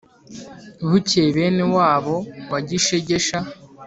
bukeye bene wabo wa gishegesha,